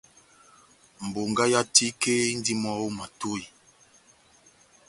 Bongá yá tike indini mɔ́ ó matohi.